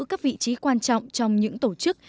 các vị trí quan trọng trong những tổ chức